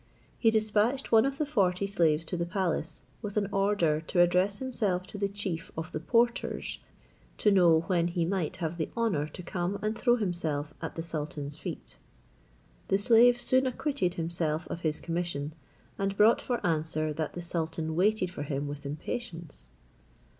He dispatched one of the forty slaves to the palace, with an order to address himself to the chief of the porters, to know when he might have the honour to come and throw himself at the sultan's feet. The slave soon acquitted himself of his commission, and brought for answer, that the sultan waited for him with impatience.